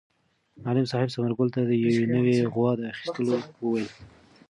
معلم صاحب ثمر ګل ته د یوې نوې غوا د اخیستلو وویل.